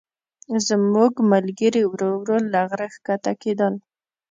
زموږ ملګري ورو ورو له غره ښکته کېدل.